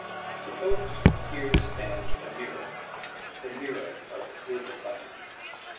Suppose here stands a mirror — the mirror of Buddha Body.